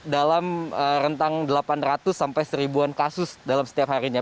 dalam rentang delapan ratus sampai seribuan kasus dalam setiap harinya